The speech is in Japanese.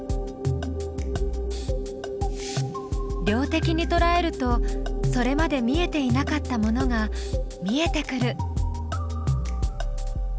量的にとらえるとそれまで見えていなかったものが見えてくる。